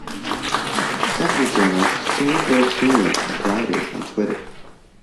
Several journalists shared their experience with rioters on Twitter.